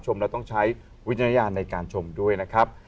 ชมแล้วต้องใช้วิจารณญาณในการชมด้วยนะครับ